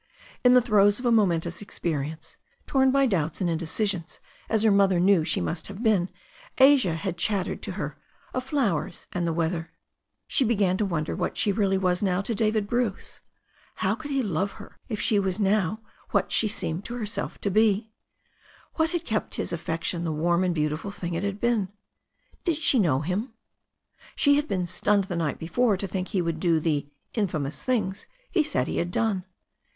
In the throes of a momentous experience, torn by doubts and indecisions as her mother knew she must have been, Asia had chattered to her of flowers and the weather. She began to wonder what she really was now to David Bruce. How could he love her if she was what she now seemed to herself to be? What had kept his affection the warm and beautiful thing it had been? Did she know him? She had been stunned the night before to think he would do the ''infamous'' things he said he had done.